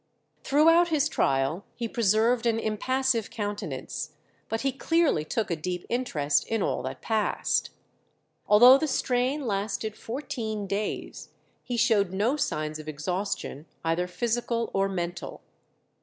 Throughout his trial he preserved an impassive countenance, but he clearly took a deep interest in all that passed. Although the strain lasted fourteen days, he showed no signs of exhaustion, either physical or mental.